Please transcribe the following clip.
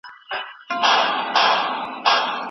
په خلوت کي له ممنوعه کارونو څخه د امن او ځان ساتني ضمانت نسته.